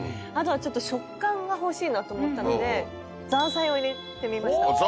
あとはちょっと食感が欲しいなと思ったのでザーサイを入れてみました。